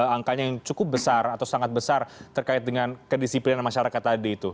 angkanya yang cukup besar atau sangat besar terkait dengan kedisiplinan masyarakat tadi itu